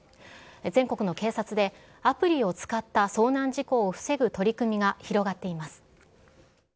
全国の警察でアプリを使った遭難事故を防ぐ取り組みが広がっています。